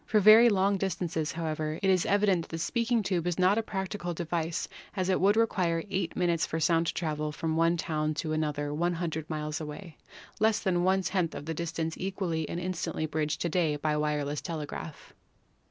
For very long distances, however, it is evident that the speaking tube is not a practicable device, as it would re quire 8 minutes for the sound to travel from one town to another 100 miles away — less than */ 10 of the distance easily and instantly bridged to day by the wireless tele graph.